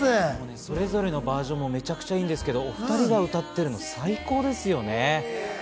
それぞれのバージョンもめちゃくちゃいいんですけど、お２人が歌ってるの最高ですよね。